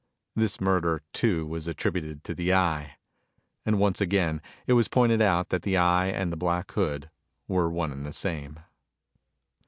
This murder, too, was attributed to the Eye. And once again it was pointed out that the Eye and the Black Hood were one and the same.